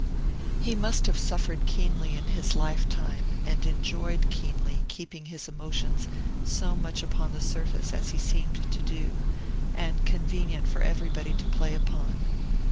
He must have suffered keenly in his lifetime, and enjoyed keenly, keeping his emotions so much upon the surface as he seemed to do, and convenient for everybody to play upon.